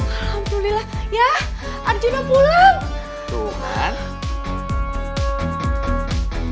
alhamdulillah ya arjuna pulang